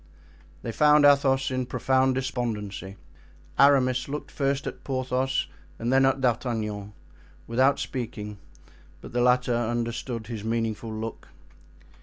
They found Athos in profound despondency; Aramis looked first at Porthos and then at D'Artagnan, without speaking, but the latter understood his meaningful look.